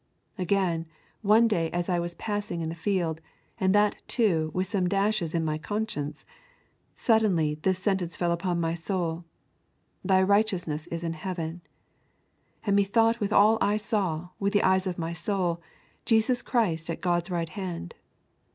Again, one day as I was passing in the field, and that, too, with some dashes in my conscience, suddenly this sentence fell upon my soul: Thy righteousness is in heaven. And methought withal I saw, with the eyes of my soul, Jesus Christ at God's right hand.